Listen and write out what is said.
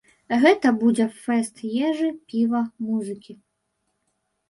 Гэта будзе фэст ежы, піва, музыкі.